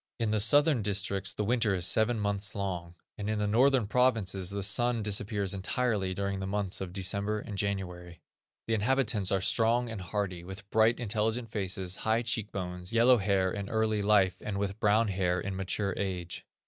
In the southern districts the winter is seven months long, and in the northern provinces the sun disappears entirely during the months of December and January. The inhabitants are strong and hardy, with bright, intelligent faces, high cheek bones, yellow hair in early life, and with brown hair in mature age.